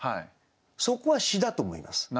そこは詩だと思います。